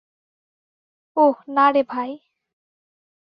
ওহ, না রে ভাই।